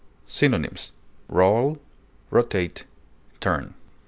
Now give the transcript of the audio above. Synonyms: roll, rotate, turn.